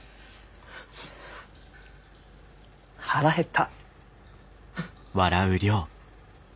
腹減った。